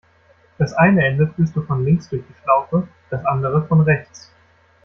Das eine Ende führst du von links durch die Schlaufe, das andere von rechts.